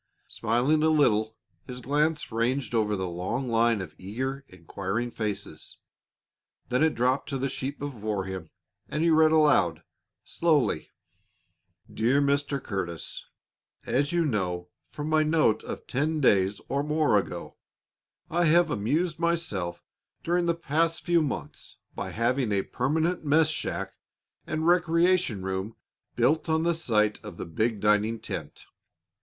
Smiling a little, his glance ranged over the long line of eager, inquiring faces; then it dropped to the sheet before him, and he read aloud slowly: "My dear Curtis: "As you know from my note of ten days or more ago, I have amused myself during the past few months by having a permanent mess shack and recreation room built on the site of the big dining tent.